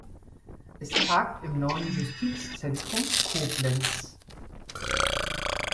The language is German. Es tagt im Neuen Justizzentrum Koblenz.